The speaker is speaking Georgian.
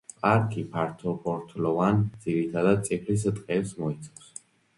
პარკი ფართოფოთლოვან, ძირითადად წიფლის ტყეებს მოიცავს.